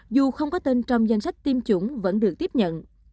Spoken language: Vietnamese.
dù không có tên trong danh sách tiêm chủng vẫn được tiếp nhận